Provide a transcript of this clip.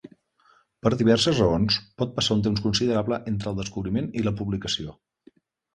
Per diverses raons, pot passar un temps considerable entre el descobriment i la publicació.